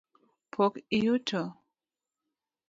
Pok iyuto?